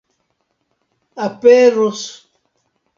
aperos